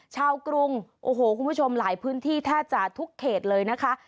ชาวกรุงคุณผู้ชมหลายพื้นที่แทบจากทุกเขตเลยนะคะ